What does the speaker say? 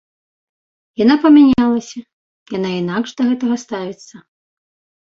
Яна памянялася, яна інакш да гэтага ставіцца.